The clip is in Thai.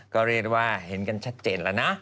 ก็เรียกว่าเห็นกันชัดเจนแล้วนะ